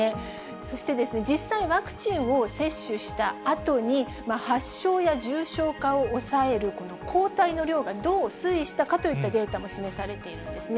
そして実際ワクチンを接種したあとに、発症や重症化を抑える抗体の量がどう推移したかといったデータも示されているんですね。